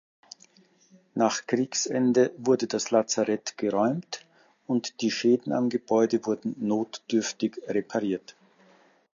Nach Kriegsende wurde das Lazarett geräumt und die Schäden am Gebäude wurden notdürftig repariert.